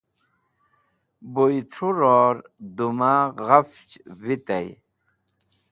buy thru ror duma ghafch vitay